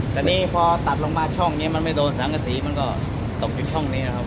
แต่นี่พอตัดลงมาช่องนี้มันไม่โดนสังกษีมันก็ตกอยู่ช่องนี้ครับ